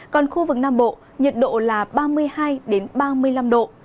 còn khu vực nam bộ nhiệt độ là ba mươi hai ba mươi năm độ